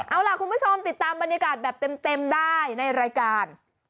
เอาล่ะคุณผู้ชมติดตามบรรยากาศแบบเต็มได้ในรายการ